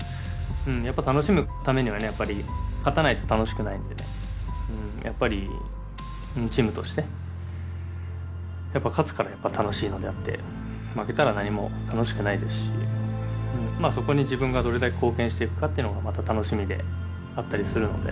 やっぱ楽しむためにはねやっぱりやっぱりチームとしてやっぱ勝つから楽しいのであって負けたら何も楽しくないですしそこに自分がどれだけ貢献していくかっていうのがまた楽しみであったりするので。